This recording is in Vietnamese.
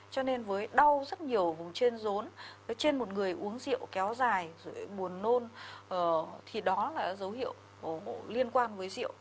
cho nên với đau rất nhiều vùng trên rốn với trên một người uống rượu kéo dài rồi buồn nôn thì đó là dấu hiệu liên quan với rượu